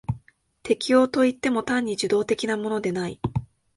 適応といっても単に受動的なものでない。